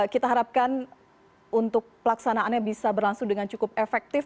kita harapkan untuk pelaksanaannya bisa berlangsung dengan cukup efektif